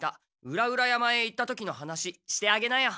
裏々山へ行った時の話してあげなよ。